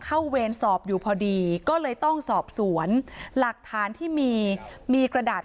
เวรสอบอยู่พอดีก็เลยต้องสอบสวนหลักฐานที่มีมีกระดาษ